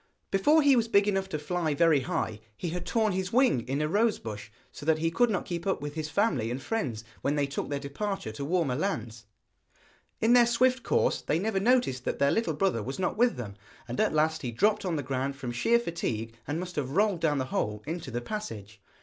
Before he was big enough to fly very high he had torn his wing in a rosebush, so that he could not keep up with his family and friends when they took their departure to warmer lands. In their swift course they never noticed that their little brother was not with them, and at last he dropped on the ground from sheer fatigue, and must have rolled down the hole into the passage.